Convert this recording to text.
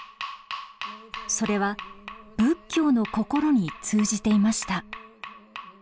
それは仏教の心に通じていました。